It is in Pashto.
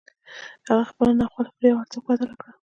هغه خپله ناخواله پر يوه ارزښت بدله کړه.